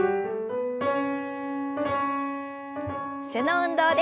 背の運動です。